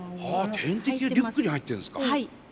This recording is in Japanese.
点滴がリュックに入ってんですか？